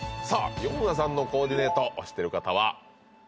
ヨンアさんのコーディネート推してる方は？